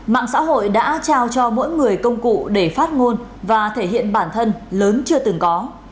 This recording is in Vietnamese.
mạng xã hội đã trao cho mỗi người công cụ để phát ngôn và thể hiện bản thân lớn chưa từng có